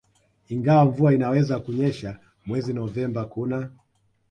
ingawa mvua inaweza kunyesha mwezi Novemba Kuna